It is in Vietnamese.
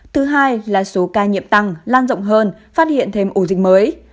thứ hai là số ca nhiễm tăng lan rộng hơn phát hiện thêm ổ dịch mới